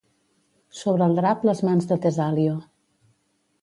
Sobre el drap les mans de Tesalio